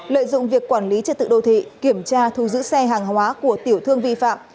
lợi dụng việc quản lý trật tự đô thị kiểm tra thu giữ xe hàng hóa của tiểu thương vi phạm